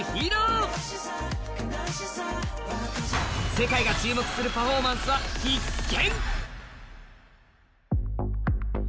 世界が注目するパフォーマンスは必見！